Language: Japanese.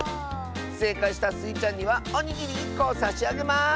せいかいしたスイちゃんにはおにぎり１こをさしあげます！